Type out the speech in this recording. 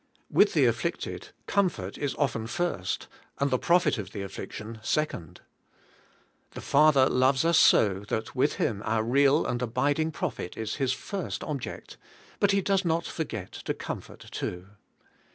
With the afflicted comfort is often first, and the profit of the affliction second. The Father loves us so, that with Him our real and abiding profit is His first object, but He does not forget to comfort too.